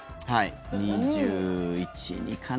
２１２２かな？